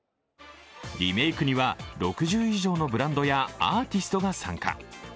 リメイクには６０以上のブランドやアーティストが参加。